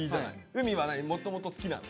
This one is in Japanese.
海は何もともと好きなの？